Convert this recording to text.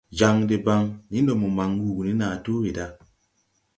Jan debaŋ, ni ndo mo man wuu ne naa tu weeda.